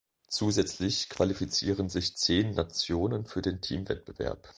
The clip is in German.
Zusätzlich qualifizieren sich zehn Nationen für den Teamwettbewerb.